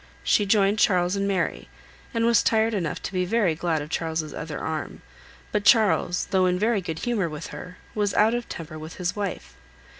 She joined Charles and Mary, and was tired enough to be very glad of Charles's other arm; but Charles, though in very good humour with her, was out of temper with his wife.